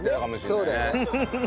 そうだよね。